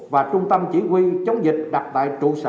và trung tâm chỉ huy chống dịch đặt tại trung tâm